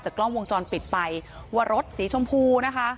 กล้องวงจรปิดไปว่ารถสีชมพูนะคะ